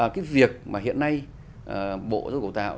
cái việc mà hiện nay bộ giáo dục tạo